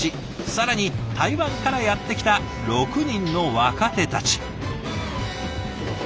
更に台湾からやって来た６人の若手たち。